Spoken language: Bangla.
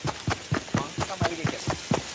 মাংসটা বাইরে কেন?